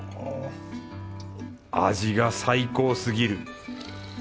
味が最高すぎる。